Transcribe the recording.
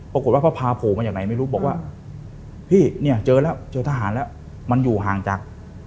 ปรากฏว่าพระพาโผลยังไงไม่รู้มาบอกว่าเฮ้ยเจอทหารแล้วมันอยู่ห่างจาก